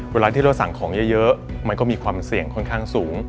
เวลาที่เราสั่งของเยอะมันก็มีความเสี่ยงค่อนข้างสูง